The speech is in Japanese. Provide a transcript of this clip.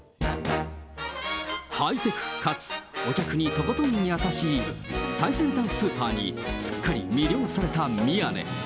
ハイテクかつお客にとことん優しい、最先端スーパーに、すっかり魅了された宮根。